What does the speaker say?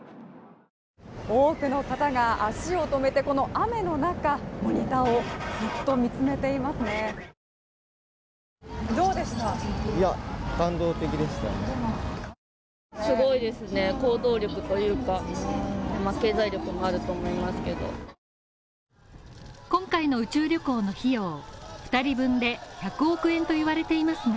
多くの方が足を止めてこの雨の中、モニターをずっと見つめていますね。